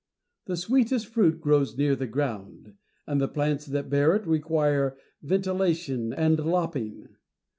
The sweetest fruit grows near the ground, and the plants that bear it require ventilation and lopping.